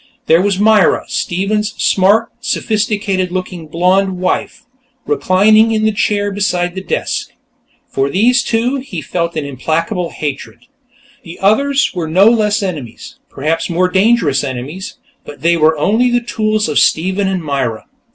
There was Myra, Stephen's smart, sophisticated looking blonde wife, reclining in a chair beside the desk. For these two, he felt an implacable hatred. The others were no less enemies, perhaps more dangerous enemies, but they were only the tools of Stephen and Myra.